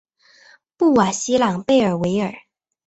布瓦西朗贝尔维尔。